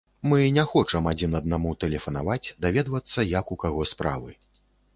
Мы не хочам адзін аднаму тэлефанаваць, даведвацца, як у каго справы.